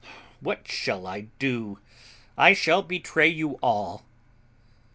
What shall I do? I shall betray you all."